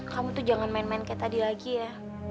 kamu tuh jangan main main kayak tadi lagi ya